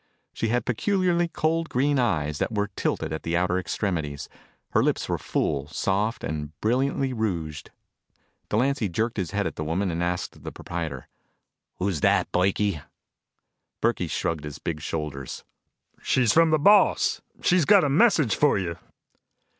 She had peculiarly cold green eyes that were tilted at the outer extremities. Her lips were full, soft and brilliantly rouged. Delancy jerked his head at the woman and asked of the proprietor: "Who's that, Burkey?" Burkey shrugged big shoulders. "She's from the boss. She's got a message for you."